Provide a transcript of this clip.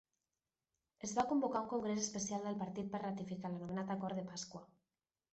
Es va convocar un congrés especial del partit per ratificar l'anomenat Acord de Pasqua.